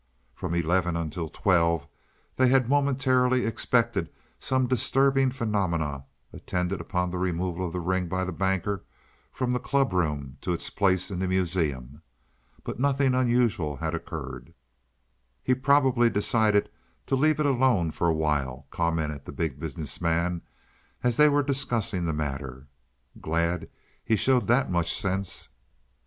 From eleven until twelve they had momentarily expected some disturbing phenomena attendant upon the removal of the ring by the Banker from the clubroom to its place in the Museum. But nothing unusual had occurred. "He probably decided to leave it alone for a while," commented the Big Business Man, as they were discussing the matter. "Glad he showed that much sense."